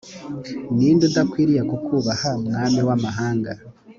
ni nde udakwiriye kukubaha mwami w amahanga